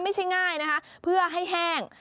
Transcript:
ไม่ใช่ง่ายนะคะเพื่อให้แห้ง